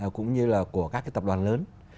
cũng như là của các tập đoàn lớn